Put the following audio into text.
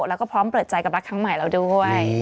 แล้วก็พร้อมเปิดใจกับรักครั้งใหม่แล้วด้วย